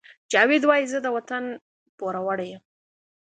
جاوید وایی زه د وطن پوروړی یم